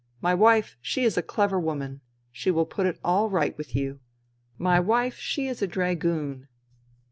My wife she is a clever woman. She will put it all right with you. My wife she is a dragoon."